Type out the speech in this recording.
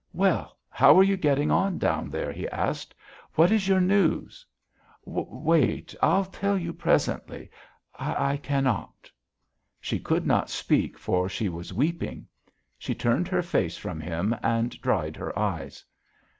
"Well, how are you getting on down there?" he asked. "What is your news?" "Wait. I'll tell you presently.... I cannot." She could not speak, for she was weeping. She turned her face from him and dried her eyes.